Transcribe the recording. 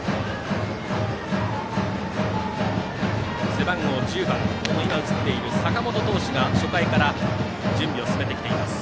背番号１０番、坂本投手が初回から準備を進めてきています。